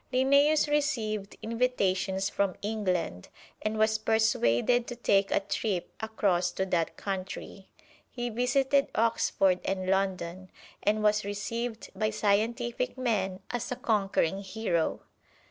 Linnæus received invitations from England and was persuaded to take a trip across to that country. He visited Oxford and London, and was received by scientific men as a conquering hero.